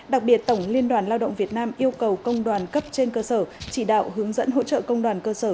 đặc biệt tổng liên đoàn lao động việt nam yêu cầu công đoàn cấp trên cơ sở chỉ đạo hướng dẫn hỗ trợ công đoàn cơ sở